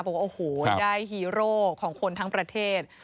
บอกว่าโอ้โหได้ฮีโร่ของคนทั้งประเทศ